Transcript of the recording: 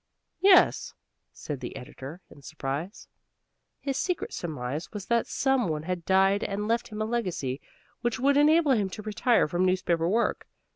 "Yes," said the editor, in surprise. His secret surmise was that some one had died and left him a legacy which would enable him to retire from newspaper work.